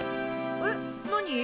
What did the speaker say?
えっ何？